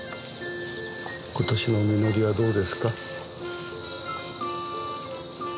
今年の実りはどうですか？